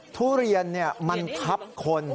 ทุเรียนมันทับคน